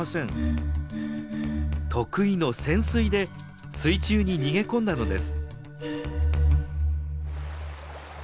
得意の潜水で水中に逃げ込んだのです。